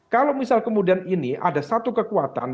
kalau misal kemudian ini ada satu kekuatan